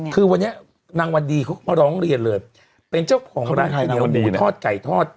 คือวันนี้นางวันดีเขาก็มาร้องเรียนเลยเป็นเจ้าของร้านก๋วยเตี๋ยวหมูทอดไก่ทอด